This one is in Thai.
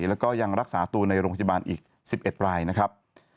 แล้วก็ยังรักษาตัวในโรงพยาบาลอีก๑๑รายนะครับ